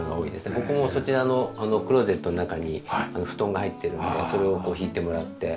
ここもそちらのクローゼットの中に布団が入っているのでそれを敷いてもらって。